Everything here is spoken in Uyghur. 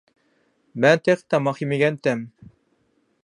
مەن تېخى تاماق يېمىگەنتىم.